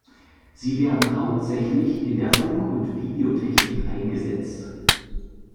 Sie werden hauptsächlich in der Funk- und Videotechnik eingesetzt.